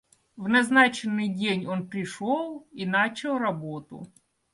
В назначенный день он пришел и начал работу.